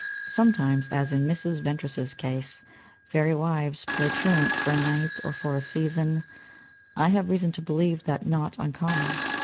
Sometimes, as in Mrs. Ventris's case, fairy wives play truant for a night or for a season. I have reason to believe that not uncommon.